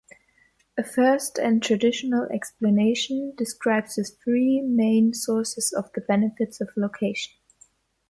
A first and traditional explanation describes the three main sources of the benefits of location.